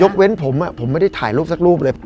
เว้นผมผมไม่ได้ถ่ายรูปสักรูปเลย